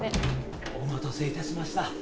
お待たせいたしました。